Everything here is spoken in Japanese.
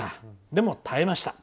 でも耐えました。